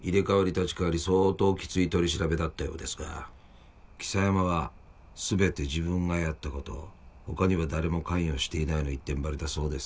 立ち代わり相当きつい取り調べだったようですが象山はすべて自分がやったことほかには誰も関与していないの一点張りだそうです。